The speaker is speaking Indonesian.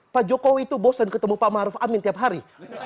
pak jokowi itu bosan ketemu pak maruf amin tiap hari